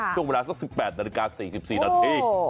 ช่วงเวลาสัก๑๘นาฬิกา๔๔นาที